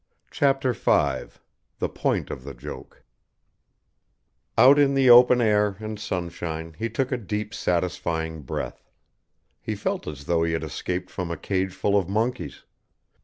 CHAPTER V THE POINT OF THE JOKE Out in the open air and sunshine he took a deep satisfying breath. He felt as though he had escaped from a cage full of monkeys.